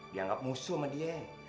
dianggap musuh sama dia